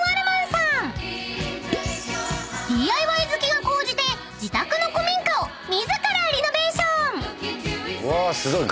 ［ＤＩＹ好きが高じて自宅の古民家を自らリノベーション］うわすごい！